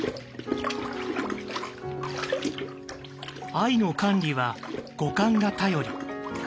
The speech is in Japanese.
藍の管理は五感が頼り。